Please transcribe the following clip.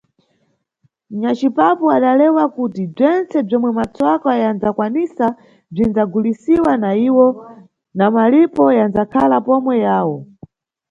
Nyacipapu adalewa kuti bzwentse bzwomwe matswaka yanʼdzakwanisa bzwinʼdzagulisiwa na iwo, na malipo yanʼdzakhala pomwe yawo.